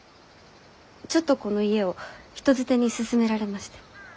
ちょっとこの家を人づてに勧められまして。